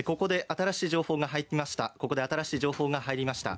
ここで新しい情報が入りました。